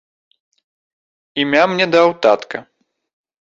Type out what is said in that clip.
Імя мне даў татка.